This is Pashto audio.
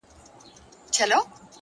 هوښیار انسان له تېروتنو ځان سموي!